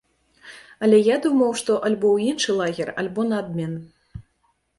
Але я думаў, што альбо ў іншы лагер, альбо на абмен.